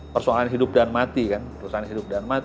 persoalan hidup dan mati kan